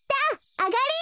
あがり！